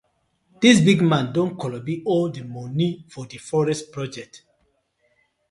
Dis big man don kolobi all di moni for di forest project.